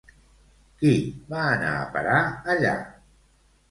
Qui va anar a parar allà?